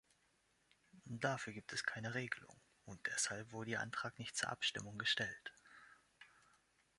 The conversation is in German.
Dafür gibt es keine Regelung, und deshalb wurde Ihr Antrag nicht zur Abstimmung gestellt.